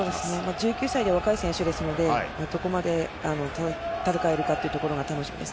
１９歳で若い選手ですのでどこまで戦えるかというところが注目です。